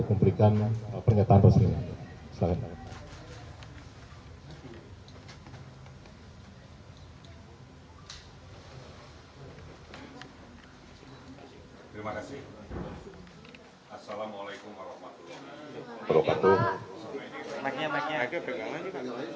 ini banyak disalahkan kami